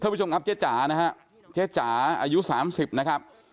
เพื่อผู้ชมครับเจ๊จ๋านะครับเจ๊จ๋าอายุ๓๐นะครับ